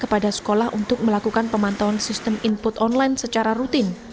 kepada sekolah untuk melakukan pemantauan sistem input online secara rutin